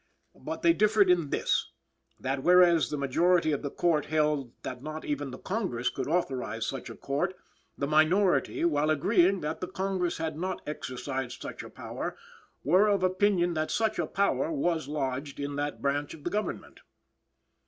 But they differed in this; that, whereas the majority of the Court held that not even the Congress could authorize such a Court, the minority, while agreeing that the Congress had not exercised such a power, were of opinion that such a power was lodged in that branch of the Government.